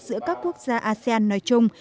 giữa các quốc gia asean nói chung